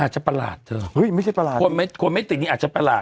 คนไม่ติดนี้อาจจะประหลาด